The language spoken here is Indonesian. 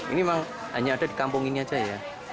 ini emang hanya ada di kampung ini aja ya